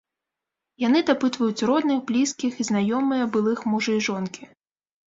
Яны дапытваюць родных, блізкіх і знаёмыя былых мужа і жонкі.